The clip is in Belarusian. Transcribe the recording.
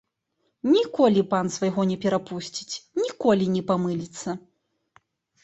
Ніколі пан свайго не перапусціць, ніколі не памыліцца.